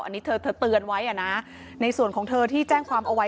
อันนี้เธอเธอเตือนไว้อ่ะนะในส่วนของเธอที่แจ้งความเอาไว้